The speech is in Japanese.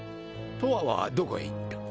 とわはどこへ行った！？